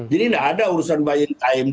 jadi tidak ada urusan buying time